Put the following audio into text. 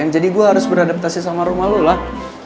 jadi gue harus beradaptasi sama rumah lo lah